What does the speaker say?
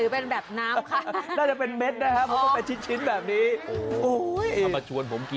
เป็นแบบเม็ดหรือเป็นแบบน้ำค่ะ